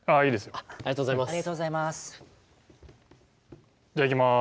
ありがとうございます。